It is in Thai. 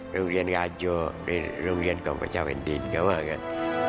โรงเรียนกาโยหรือโรงเรียนของพระเจ้าเผ็ดดินเขาว่ากัน